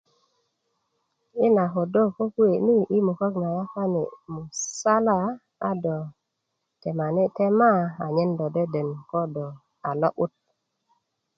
I na ködö ko kuwe' ni i mukök na yapani musala a do temani' temaa a nyen do deden ko do a lo'but